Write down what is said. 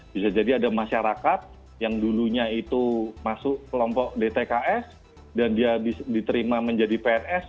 bisa jadi ada masyarakat yang dulunya itu masuk kelompok dtks dan dia diterima menjadi pns